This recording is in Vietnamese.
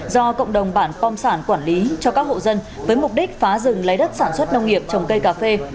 do cộng đồng bản pom sản quản lý cho các hộ dân với mục đích phá rừng lấy đất sản xuất nông nghiệp trồng cây cà phê